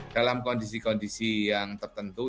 dalam kondisi kondisi yang tertentu